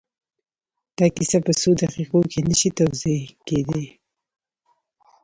دا کيسه په څو دقيقو کې نه شي توضيح کېدای.